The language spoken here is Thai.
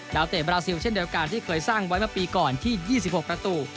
เตะบราซิลเช่นเดียวกันที่เคยสร้างไว้เมื่อปีก่อนที่๒๖ประตู